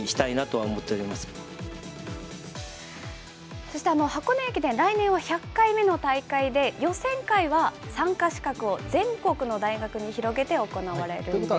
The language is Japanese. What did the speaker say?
そして箱根駅伝、来年は１００回目の大会で、予選会は参加資格を全国の大学に広げて行われるんです。